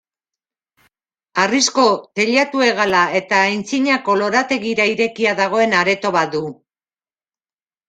Harrizko teilatu-hegala eta antzinako lorategira irekia dagoen areto bat du.